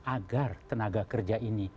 agar tenaga kerja ini